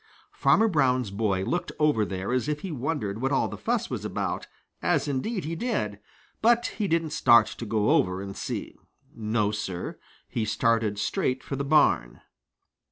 Farmer Brown's boy looked over there as if he wondered what all that fuss was about, as indeed he did, but he didn't start to go over and see. No, Sir, he started straight for the barn.